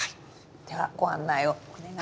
ではご案内をお願いいたします。